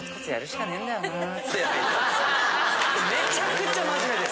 めちゃくちゃ真面目です。